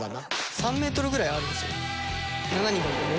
３メートルぐらいあるんですよ。